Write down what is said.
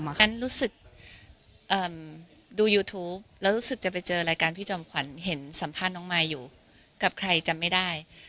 ขั้นรู้สึกดูยูทูปแล้วรู้สึกจะไปเจอรายการพี่จอมขวัญเห็นสัมภาษณ์น้องมายอยู่กับใครจำไม่ได้